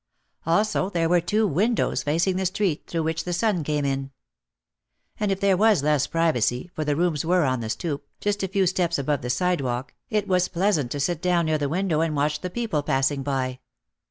Also there were two windows facing the street through which the sun came in. And if there was less privacy, for the rooms were on the stoop, just a few steps above the sidewalk, it was pleasant to sit down near the window and watch the people passing by.